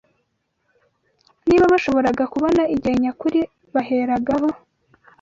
Niba bashoboraga kubona igihe nyakuri baheragaho